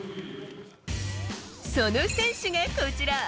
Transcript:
その選手がこちら。